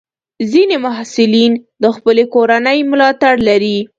ځینې محصلین د خپلې کورنۍ ملاتړ لري.